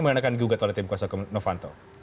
yang akan digugat oleh tim kuasa hukum novanto